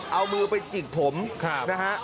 เอามือไปจิกผมนะฮะ